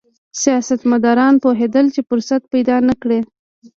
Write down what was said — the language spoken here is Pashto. سیاستمداران پوهېدل چې فرصت پیدا نه کړي.